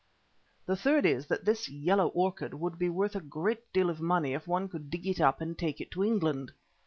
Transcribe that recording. "The third is that this yellow orchid would be worth a great deal of money if one could dig it up and take it to England."